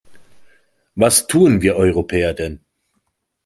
Was tun wir Europäer denn?